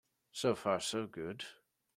So far so good.